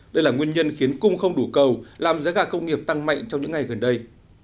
đây là nguyên nhân khiến cung không đủ cầu làm giá gà công nghiệp tăng mạnh trong những ngày gần đây